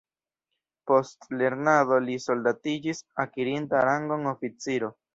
Post lernado li soldatiĝis akirinta rangon oficiro.